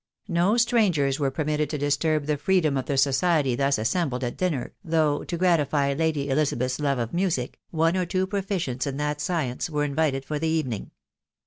No strangers were permitted to disturb the freedom of the society thus assembled at dinner, though, to gratify Lady Elizabeth's love of music, one or two proficients in that science were invited for the evening.